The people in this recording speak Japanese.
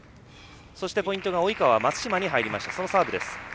ポイントが及川、松島に入りました。